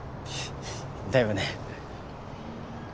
だよね。